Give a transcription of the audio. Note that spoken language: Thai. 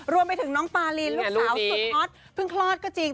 รวมไปถึงน้องปาลีนลูกสาวสุดฮอตเพิ่งคลอดก็จริง